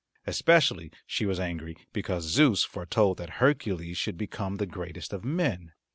Especially she was angry because Zeus foretold that Hercules should become the greatest of men.